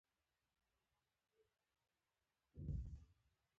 زه د مشهورو جګړو داستانونه اورم.